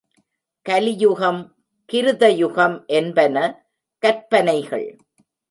கலியுகம் கிருதயுகம்என்பன கற்பனைகள்.